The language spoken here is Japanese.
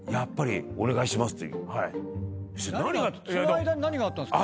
その間に何があったんですか？